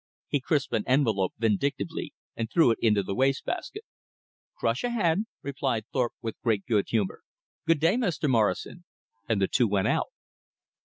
He crisped an envelope vindictively, and threw it in the waste basket. "Crush ahead," replied Thorpe with great good humor. "Good day, Mr. Morrison," and the two went out.